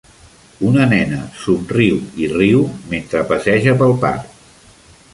Una nena somriu i riu mentre passeja pel parc.